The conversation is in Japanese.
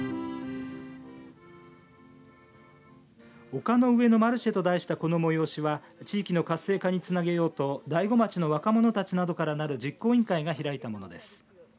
丘の上のマルシェと題したこの催しは地域の活性化につなげようと大子町の若者たちなどからなる実行委員会が開いたものです。